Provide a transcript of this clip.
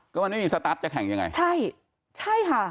ก็มันไม่มีสตาร์ทจะแข่งยังไงใช่ใช่ค่ะ